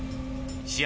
試合